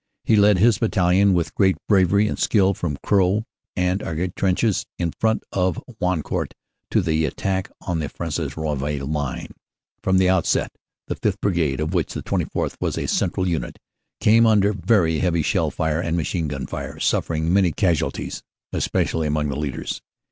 He led his Battalion with great bravery and skill from Crow and Aigrette trenches in front of Wancourt to the attack on the Fresnes Rouvroy line. From the outset the Sth. Brigade, of which the 24th. was a central unit, came under very heavy shell and machine gun fire, suffering many casual ties, especially among the leaders.